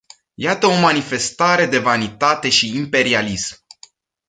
Iată o manifestare de vanitate și imperialism!